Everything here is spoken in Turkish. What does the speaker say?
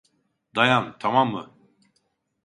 Dayan, tamam mı?